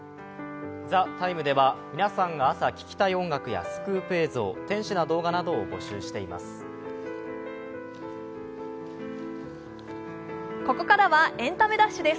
「ＴＨＥＴＩＭＥ’」では皆さんが朝聴きたい音楽やスクープ映像、天使な動画などを募集しています。